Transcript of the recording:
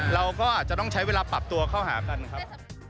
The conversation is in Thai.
เราก็อาจจะต้องใช้เวลาปรับตัวเข้าหากันครับ